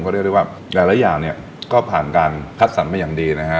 ก็เรียกได้ว่าหลายอย่างเนี่ยก็ผ่านการคัดสรรมาอย่างดีนะฮะ